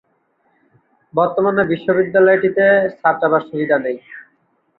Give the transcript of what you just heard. বর্তমানে বিদ্যালয়টিতে ছাত্রাবাস সুবিধা নেই।